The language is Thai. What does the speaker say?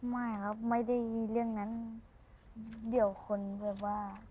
ไม่ครับไม่ได้เรื่องนั้นเดี่ยวคนแบบว่า